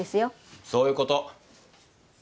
そういうこと。